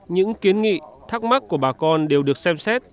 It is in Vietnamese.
những kiến nghị thắc mắc của bà con đều được xem xét